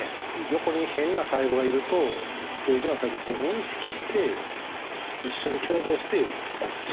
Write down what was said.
横に変な細胞がいると正常な細胞はそれを認識して一緒に共同してポコッて。